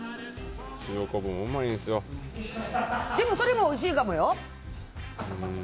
でも、それもおいしいかもよ。